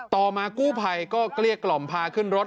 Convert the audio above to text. ต่อมากู้ภัยก็เกลี้ยกล่อมพาขึ้นรถ